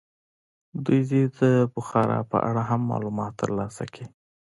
دوی دې د بخارا په اړه هم معلومات ترلاسه کړي.